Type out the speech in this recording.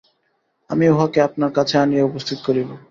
আমি উঁহাকে আপনার কাছে আনিয়া উপস্থিত করিব।